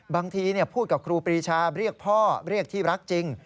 บางทีพูดกับครูปรีชาเรียกพ่อเรียกที่รักจริง